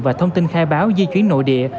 và thông tin khai báo di chuyển nội địa